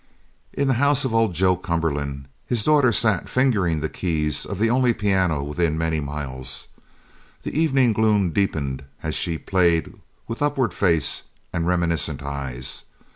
In the house of old Joe Cumberland his daughter sat fingering the keys of the only piano within many miles. The evening gloom deepened as she played with upward face and reminiscent eyes.